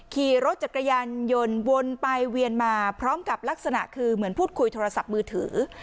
ขี่รถจักรยานยนต์วนไปเวียนมาพร้อมกับลักษณะคือเหมือนพูดคุยโทรศัพท์มือถือ